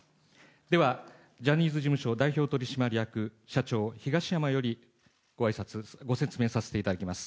ではジャニーズ事務所代表取締役社長、東山より、ごあいさつ、ご説明させていただきます。